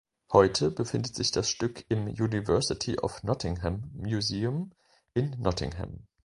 Heute befindet sich das Stück im University of Nottingham Museum in Nottingham.